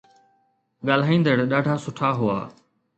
ڳالهائيندڙ ڏاڍا سٺا هئا.